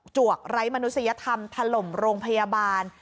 วกไร้มนุษยธรรมถล่มโรงพยาบาล